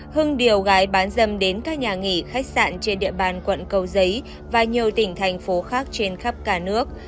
hưng điều gái bán dâm đến các nhà nghỉ khách sạn trên địa bàn quận cầu giấy và nhiều tỉnh thành phố khác trên khắp cả nước